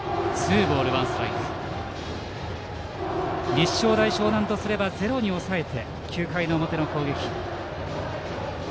立正大淞南とすればゼロに抑えて９回の表の攻撃につなげたい。